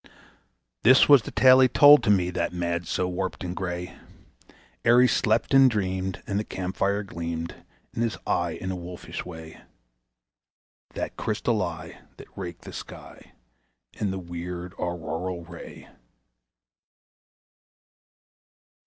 This was the tale he told to me, that man so warped and gray, Ere he slept and dreamed, and the camp fire gleamed in his eye in a wolfish way That crystal eye that raked the sky in the weird Auroral ray.